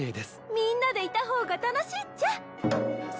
みんなでいた方が楽しいっちゃ。